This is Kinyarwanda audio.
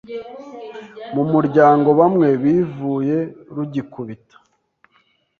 mu muryango bamwe bivuye rugikubita